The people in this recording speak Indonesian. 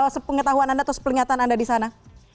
sepengetahuan anda atau seperingatan anda di sana